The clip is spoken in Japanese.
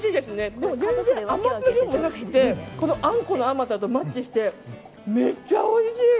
でも全然、甘すぎでもなくてあんこの甘さとマッチしてめっちゃおいしい！